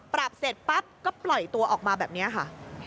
ปรับเสร็จปั๊บก็ปล่อยตัวออกมาแบบนี้ค่ะ